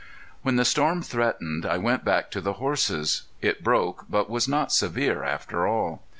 When the storm threatened I went back to the horses. It broke, but was not severe after all.